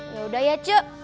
yaudah ya ce